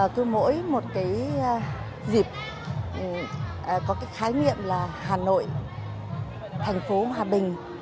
cứ mỗi một cái dịp có cái khái nghiệm là hà nội thành phố hòa bình